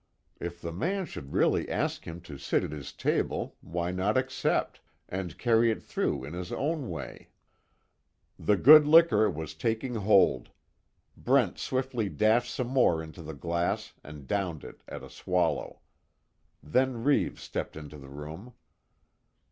If the man should really ask him to sit at his table, why not accept and carry it through in his own way? The good liquor was taking hold. Brent swiftly dashed some more into the glass and downed it at a swallow. Then Reeves stepped into the room.